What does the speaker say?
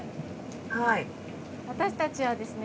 はい私達はですね